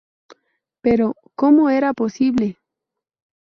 Pero ¿cómo era posible?